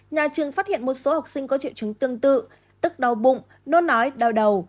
nhà trường phát hiện một số học sinh có triệu chứng tương tự tức đau bụng nôn ói đau đầu